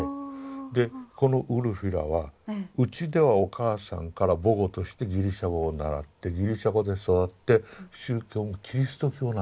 でこのウルフィラはうちではお母さんから母語としてギリシャ語を習ってギリシャ語で育って宗教もキリスト教なんです。